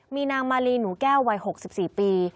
มีนางมารีหนูแก้ววัยหกสิบสี่ปี